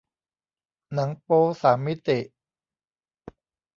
หนังโป๊สามมิติ